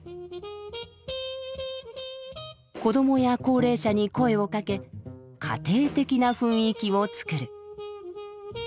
「子供や高齢者に声をかけ家庭的な雰囲気をつくる」。